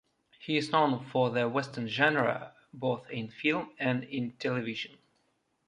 He is known for the Western genre, both in film and in television.